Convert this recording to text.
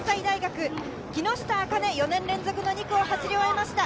木下茜、４年連続の２区を走り終えました。